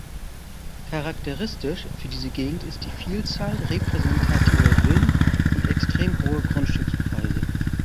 Charakteristisch für diese Gegend ist die Vielzahl repräsentativer Villen und extrem hohe Grundstückspreise.